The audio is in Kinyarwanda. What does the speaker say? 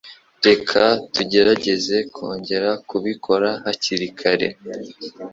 Reka tugerageze kongera kubikora hakiri kare.